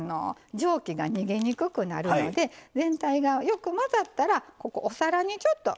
蒸気が逃げにくくなるので全体がよく混ざったらここお皿にちょっと。